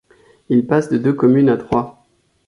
Il passe de deux communes à trois.